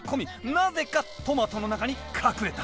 なぜかトマトの中に隠れた。